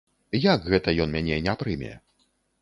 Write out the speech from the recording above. Як гэта ён мяне не прыме?